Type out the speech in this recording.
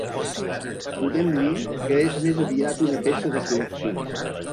Podem dir que és més aviat una peça de col·leccionista.